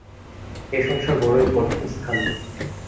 এ সংসার বড়ই কঠিন স্থান।